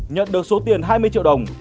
nhận được số tiền hai mươi triệu đồng